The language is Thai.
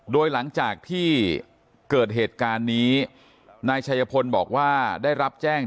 โดยหลังจากที่เกิดเหตุการณ์นี้นายชัยพลบอกว่าได้รับแจ้ง